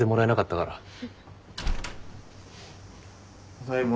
・ただいま。